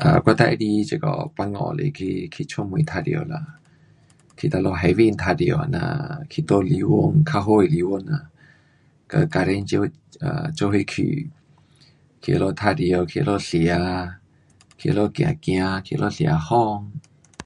啊，我最喜欢这个放假是去，去出门玩耍啦，去哪里海边玩耍这样，去住旅馆，较好的旅馆呐，跟家庭作，um 作伙去，去那里玩耍，去那里吃，去那里走走，去那里吃风。